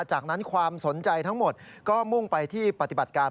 จากนั้นความสนใจทั้งหมดก็มุ่งไปที่ปฏิบัติการ